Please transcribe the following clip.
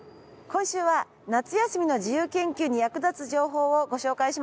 今週は夏休みの自由研究に役立つ情報をご紹介します。